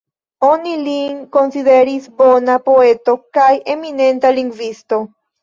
Oni lin konsideris bona poeto kaj eminenta lingvisto.